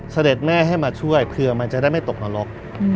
เสด็จแม่ให้มาช่วยเผื่อมันจะได้ไม่ตกนรก